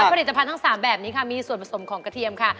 ผลิตภัณฑ์ทั้ง๓แบบนี้ค่ะมีส่วนผสมของกระเทียมค่ะ